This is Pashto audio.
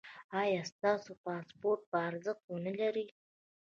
ایا ستاسو پاسپورت به ارزښت و نه لري؟